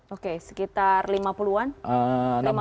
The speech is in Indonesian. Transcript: oke sekitar lima puluh an